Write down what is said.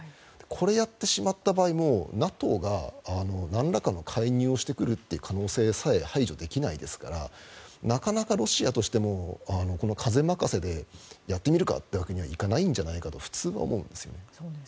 これをやってしまった場合ＮＡＴＯがなんらかの介入をしてくる可能性さえ排除できないですからなかなかロシアとしても風任せでやってみるかというわけにはいかないんじゃないかと普通は思うんですよね。